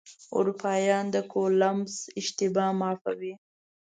اروپایان د کولمبس اشتباه معافوي.